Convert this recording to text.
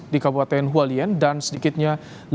di kabupaten hualien dan sedikitnya